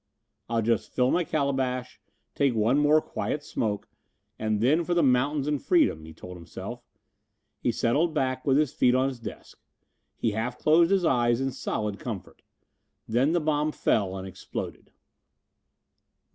"I'll just fill my calabash, take one more quiet smoke, and then for the mountains and freedom," he told himself. He settled back with his feet on his desk. He half closed his eyes in solid comfort. Then the bomb fell and exploded.